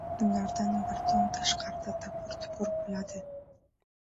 Tunlardan bir tun tashqarida tapur-tupur bo‘ladi.